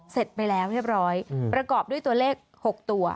เสร็จไปแล้วเรียบร้อยประกอบด้วยตัวเลข๖ตัว